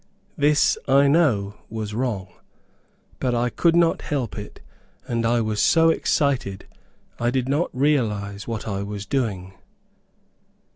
This, I know, was wrong; but I could not help it, and I was so excited I did not realize what I was doing.